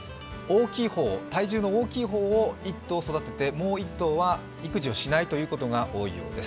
体重の大きい方を１頭育ててもう１頭は育児をしないということが多いようです。